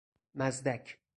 مزدک